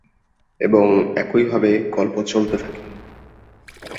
এবং এইভাবে গল্প চলতে থাকে।